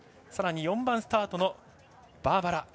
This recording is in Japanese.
さらに４番スタートのバルバラ。